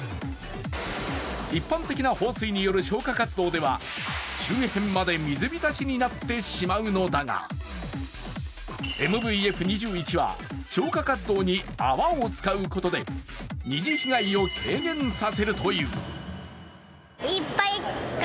一般的な放水による消火活動では周辺まで水浸しになってしまうのだが、ＭＶＦ２１は消火活動に泡を使うことで二次被害を軽減させるという。